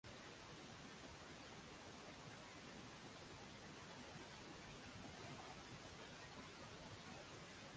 তিনি কলেজ প্রতিষ্ঠার পক্ষে মত দেন এবং চাঁদা তুলে কলেজ প্রতিষ্ঠার জন্য প্রশাসনকে পরামর্শ দেন।